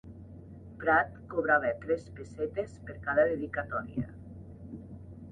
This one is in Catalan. Prat cobrava tres pessetes per cada dedicatòria.